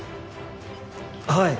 はい。